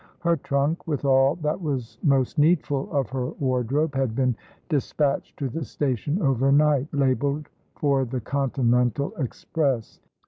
Her trunk, with all that was most needful of her wardrobe, had been despatched to the station over night, labelled for the Continental Express.